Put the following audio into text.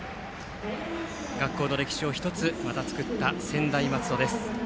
学校の歴史を１つ、また作った専大松戸です。